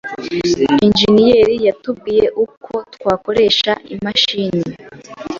Injeniyeri yatubwiye uko twakoresha imashini.